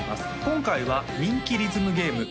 今回は人気リズムゲーム